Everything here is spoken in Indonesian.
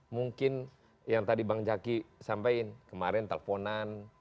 mungkin yang tadi bang jaki sampaikan kemarin telponan